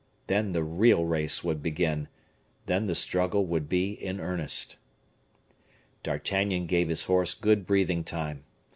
Then the real race would begin, then the struggle would be in earnest. D'Artagnan gave his horse good breathing time.